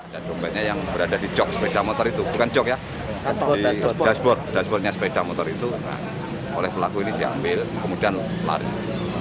dompetnya yang berada di jok sepeda motor itu bukan jok ya di dashboard dashboardnya sepeda motor itu oleh pelaku ini diambil kemudian lari